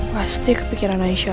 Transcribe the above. pasti kepikiran aisyah